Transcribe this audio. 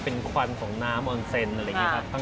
เป็นควันของน้ำออนเซนอะไรอย่างนี้ครับ